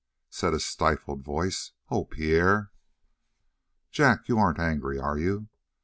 said a stifled voice. "Oh, Pierre!" "Jack, you aren't angry, are you?